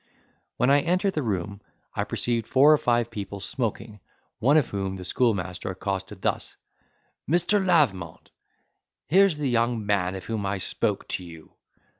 When I entered the room, I perceived four or five people smoking, one of whom the schoolmaster accosted thus: "Mr. Lavement, here's the young man of whom I spoke to you."